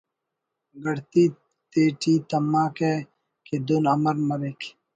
گڑتی تے ٹی تماکہ کہ دُن امر مریک